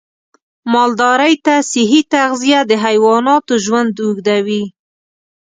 مالدارۍ ته صحي تغذیه د حیواناتو ژوند اوږدوي.